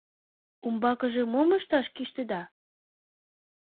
Умбакыже мом ышташ кӱштеда?